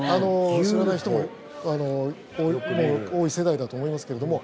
知らない人も多い世代だと思いますけども。